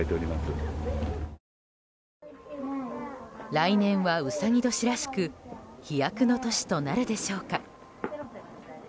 来年は、うさぎ年らしく飛躍の年となるでしょうか。